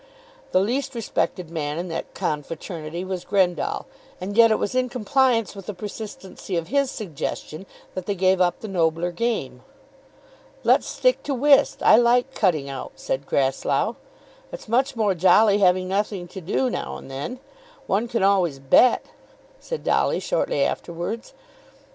The least respected man in that confraternity was Grendall, and yet it was in compliance with the persistency of his suggestion that they gave up the nobler game. "Let's stick to whist; I like cutting out," said Grasslough. "It's much more jolly having nothing to do now and then; one can always bet," said Dolly shortly afterwards.